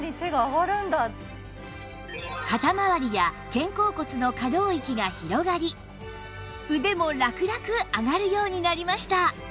肩まわりや肩甲骨の可動域が広がり腕もラクラク上がるようになりました